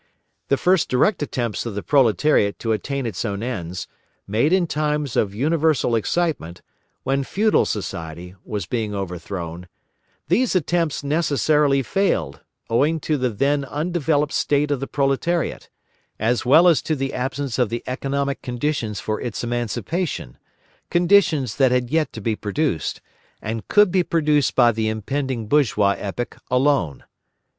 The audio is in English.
The first direct attempts of the proletariat to attain its own ends, made in times of universal excitement, when feudal society was being overthrown, these attempts necessarily failed, owing to the then undeveloped state of the proletariat, as well as to the absence of the economic conditions for its emancipation, conditions that had yet to be produced, and could be produced by the impending bourgeois epoch alone.